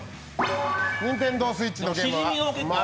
ＮｉｎｔｅｎｄｏＳｗｉｔｃｈのゲーム